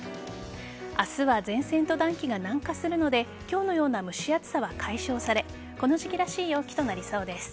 明日は前線と暖気が南下するので今日のような蒸し暑さは解消されこの時期らしい陽気となりそうです。